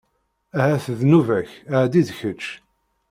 Aha d nnuba-k ɛeddi-d kečč.